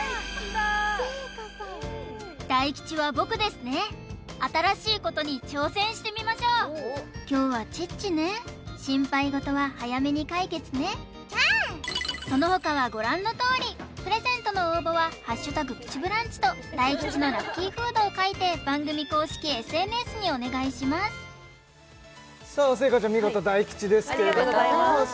大吉は僕ですね新しいことに挑戦してみましょう凶はチッチね心配事は早めに解決ねその他はご覧のとおりプレゼントの応募は「＃プチブランチ」と大吉のラッキーフードを書いて番組公式ＳＮＳにお願いしますさあ星夏ちゃん見事大吉ですけれどもありがとうございます